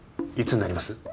いつになります？